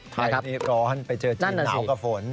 ไทยนี้ร้อนไปเจอจีนหนาวกับฝน